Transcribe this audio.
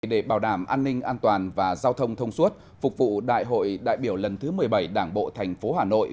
để bảo đảm an ninh an toàn và giao thông thông suốt phục vụ đại hội đại biểu lần thứ một mươi bảy đảng bộ thành phố hà nội